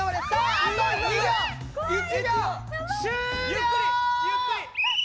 ゆっくり。